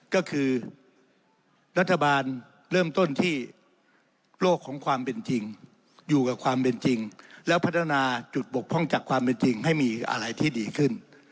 ก็คือรัฐบาลเริ่มต้นที่โลกของความเป็นจริงอยู่กับความเป็นจริงแล้วพัฒนาจุดบกพร่องจากความเป็นจริงให้มีอะไรที่ดีขึ้น